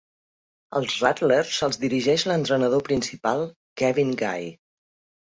Els Rattlers els dirigeix l'entrenador principal Kevin Guy.